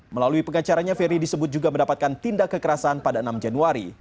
melalui pengacaranya ferry disebut juga mendapatkan tindak kekerasan pada enam januari